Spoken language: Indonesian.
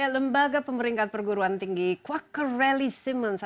lembaga pemeringkatan perguruan tinggi quaker rally simmons